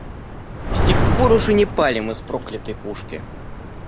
С тех пор уж и не палим из проклятой пушки.